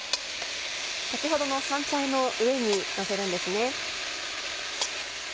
先ほどの香菜の上にのせるんですね。